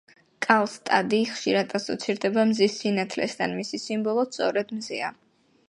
კარლსტადი ხშირად ასოცირდება მზის სინათლესთან, მისი სიმბოლოც სწორედ მზეა.